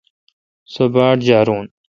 سو باڑجارون۔